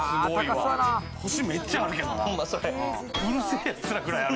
星めっちゃあるけどな。